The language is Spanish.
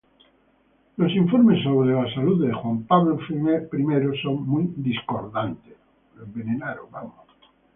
Los informes sobre la salud de Juan Pablo I son muy discordantes.